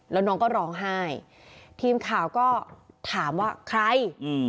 แล้วน้องก็ร้องไห้ทีมข่าวก็ถามว่าใครอืม